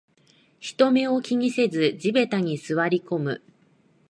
人目を気にせず地べたに座りこむ